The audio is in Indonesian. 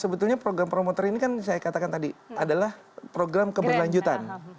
sebetulnya program promoter ini kan saya katakan tadi adalah program keberlanjutan